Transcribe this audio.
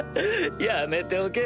やめておけ。